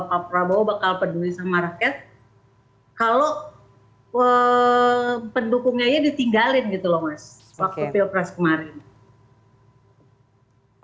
kalau pendukungnya ditinggalin gitu loh mas waktu pilpres kemarin